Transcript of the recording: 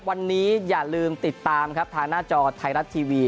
วันนี้อย่าลืมติดตามครับทางหน้าจอไทยรัฐทีวี